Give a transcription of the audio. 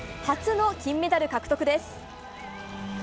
初の金メダル獲得です。